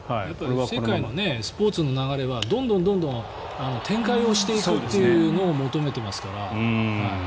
世界のスポーツの流れはどんどん展開をしていくというのを求めていますから。